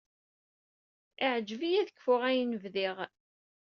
Iɛǧeb-iyi ad kfuɣ ayen bdiɣ.